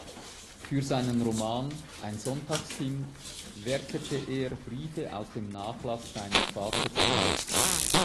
Für seinen Roman "Ein Sonntagskind" wertete er Briefe aus dem Nachlass seines Vaters aus.